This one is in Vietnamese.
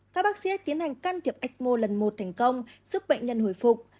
các bác sĩ tiến hành can thiệp ecmo lần một thành công giúp bệnh nhân hồi phục